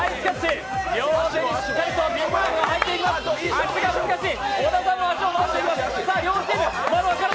足が難しい！